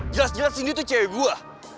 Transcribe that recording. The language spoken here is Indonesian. jelas jelas cindy tuh cewe gue